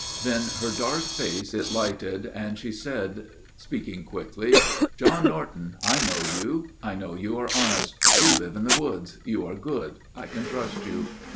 Then her dark face it lighted, and she said, speaking quickly: "John Norton, I know you. I know you are honest. You live in the woods. You are good. I can trust you.